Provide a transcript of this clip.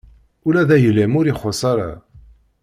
Ula d ayla-m ur ixuṣṣ ara.